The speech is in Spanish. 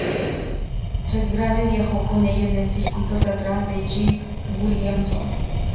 Redgrave viajó con ella en el circuito teatral de J. C. Williamson.